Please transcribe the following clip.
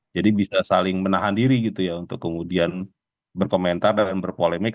jadi bisa saling menahan diri gitu ya untuk kemudian berkomentar dan berpolemik